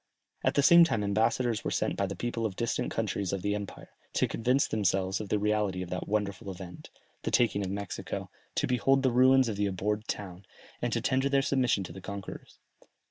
At the same time ambassadors were sent by the people of the distant countries of the empire, to convince themselves of the reality of that wonderful event, the taking of Mexico, to behold the ruins of the abhorred town, and to tender their submission to the conquerors.